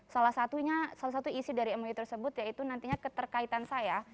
salah satunya salah satu isi dari mou tersebut yaitu nantinya keterkaitan saya